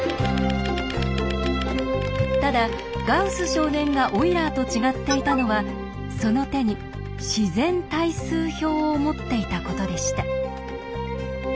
少年がオイラーと違っていたのはその手に「自然対数表」を持っていたことでした。